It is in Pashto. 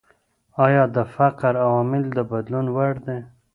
ايا د فقر عوامل د بدلون وړ دي؟